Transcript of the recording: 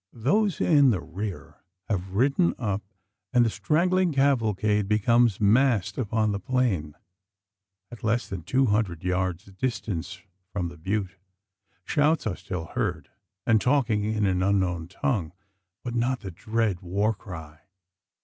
Those in the rear have ridden up; and the straggling cavalcade becomes massed upon the plain, at less than two hundred yards' distance from the butte. Shouts are still heard, and talking in an unknown tongue; but not the dread war cry.